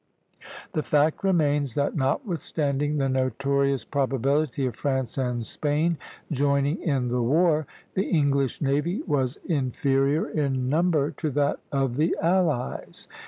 The fact remains that, notwithstanding the notorious probability of France and Spain joining in the war, the English navy was inferior in number to that of the allies.